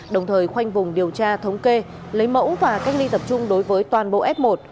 đồng thời khoanh vùng điều tra thống kê lấy mẫu và cách ly tập trung đối với toàn bộ f một